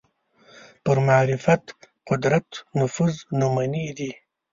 پر معرفت قدرت نفوذ نمونې دي